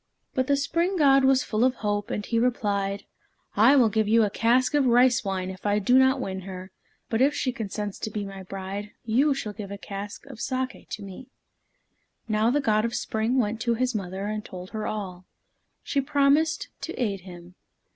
But the Spring God was full of hope, and replied, "I will give you a cask of rice wine if I do not win her, but if she consents to be my bride, you shall give a cask of saké to me." Now the God of Spring went to his mother, and told her all. She promised to aid him.